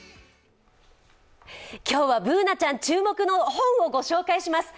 今日はＢｏｏｎａちゃん注目の本をご紹介します。